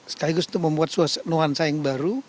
sekaligus untuk membuat nuansa yang baru